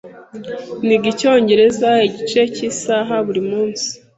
Niga Icyongereza igice cy'isaha buri munsi.